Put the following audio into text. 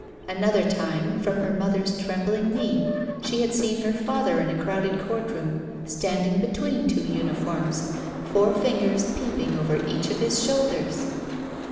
Another time, from her mother's trembling knee, she had seen her father in a crowded courtroom standing between two uniforms, four fingers peeping over each of his shoulders!